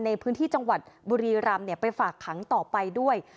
ในพื้นที่จังหวัดบุรีรำไปฝากขังต่อไปด้วย